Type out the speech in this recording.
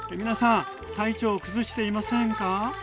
皆さん体調崩していませんか？